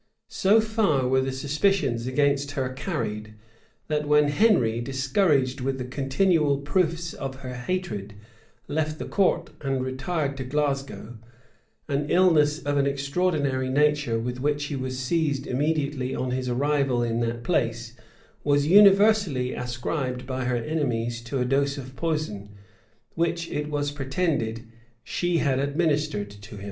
So far were the suspicions against her carried, that when Henry, discouraged with the continual proofs of her hatred, left the court and retired to Glasgow, an illness of an extraordinary nature, with which he was seized immediately on his arrival in that place, was universally ascribed by her enemies to a dose of poison, which, it was pretended, she had administered to him.